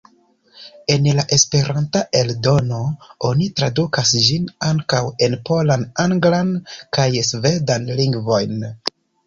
El la Esperanta eldono oni tradukas ĝin ankaŭ en polan, anglan kaj svedan lingvojn.